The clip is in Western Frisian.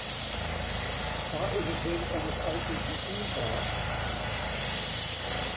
Sa is it him ommers altiten oanpraat.